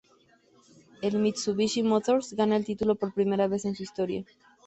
El Mitsubishi Motors gana el título por primera vez en su historia.